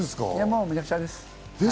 もうめちゃくちゃです。